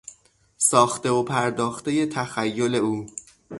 ساخته و پرداختهی تخیل او